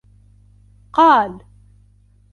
قالَ: